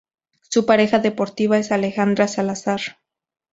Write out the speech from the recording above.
Su pareja deportiva es Alejandra Salazar.